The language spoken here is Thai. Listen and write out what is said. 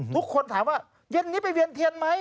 ทุกคนถามว่าเย็นนี้ไปเวียนเทียนไหม